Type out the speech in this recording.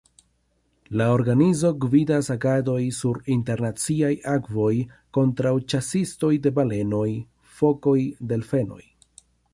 La organizo gvidas agadojn sur internaciaj akvoj kontraŭ ĉasistoj de balenoj, fokoj, delfenoj.